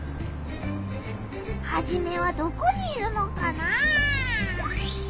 ハジメはどこにいるのかな？